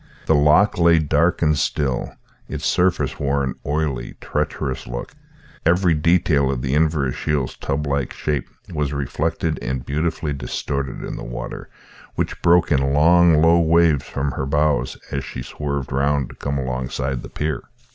The loch lay dark and still, its surface wore an oily, treacherous look; every detail of the Inverashiel's tub like shape was reflected and beautifully distorted in the water, which broke in long low waves from her bows as she swerved round to come alongside the pier.